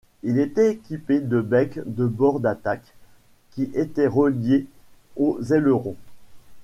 Il était équipé de becs de bord d’attaque, qui étaient reliés aux ailerons.